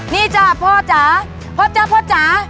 นี่จ้ะพ่อจ๋าพ่อจ๊ะพ่อจ๋า